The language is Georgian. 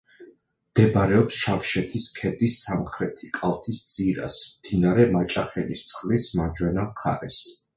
მდებარეობს შავშეთის ქედის სამხრეთი კალთის ძირას, მდინარე მაჭახელისწყლის მარჯვენა მხარეს.